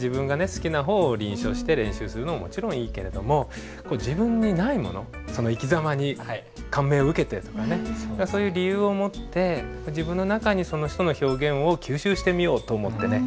好きな方を臨書して練習するのももちろんいいけれども自分にないものその生きざまに感銘を受けてとかねそういう理由を持って自分の中にその人の表現を吸収してみようと思ってね